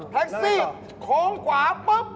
แท็กซี่โขลมกว่า